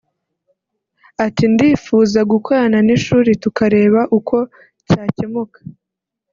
Ati “Ndifuza gukorana n’ishuri tukareba uko cyakemuka